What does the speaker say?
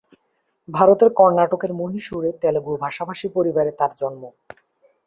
ভারতের কর্ণাটকের মহীশূর এ তেলুগু ভাষাভাষী পরিবারে তার জন্ম।